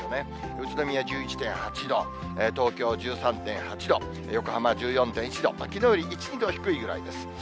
宇都宮１１．８度、東京１３．８度、横浜１４．１度、きのうより１、２度低いぐらいです。